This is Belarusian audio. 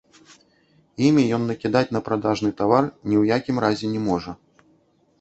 Імі ён накідаць на прадажны тавар ні ў якім разе не можа.